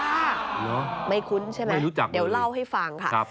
เหรอไม่คุ้นใช่ไหมรู้จักเดี๋ยวเล่าให้ฟังค่ะ